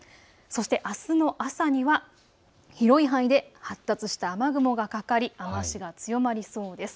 あすの朝は広い範囲で発達した雨雲がかかり雨足が強まりそうです。